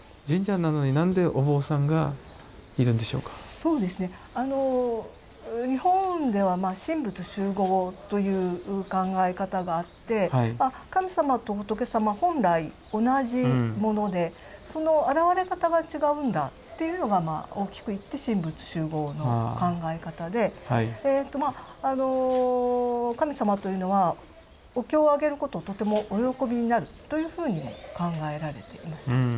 そうですね日本ではまあ神仏習合という考え方があって神様と仏様本来同じものでその現れ方が違うんだっていうのがまあ大きくいって神仏習合の考え方で神様というのはお経をあげることをとてもお喜びになるというふうに考えられていました。